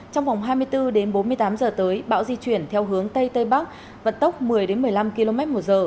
trong vòng hai mươi bốn đến bốn mươi tám giờ tới bão di chuyển theo hướng tây tây bắc vận tốc một mươi một mươi năm km một giờ